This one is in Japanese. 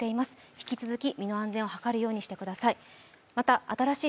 引き続き、身の安全を図るようにしてください。